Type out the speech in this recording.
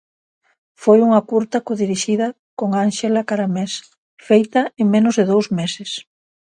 Foi unha curta codirixida con Ánxela Caramés, feita en menos de dous meses.